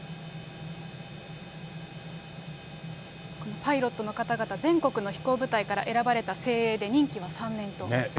パイロットの方々、全国の飛行部隊から選ばれた精鋭で任期は３年ということですね。